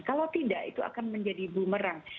kalau tidak itu akan menjadi bumerang